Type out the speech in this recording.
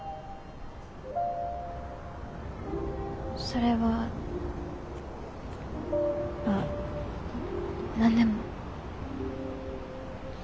それはあ何でも。